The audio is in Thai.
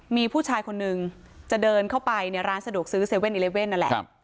มีผู้ชายคนนึงจะเดินเข้าไปในร้านสะดวกซื้อ๗๑๑นั่นแหละ